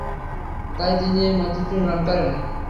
তাই তিনি এই মসজিদটি নির্মাণ করেন।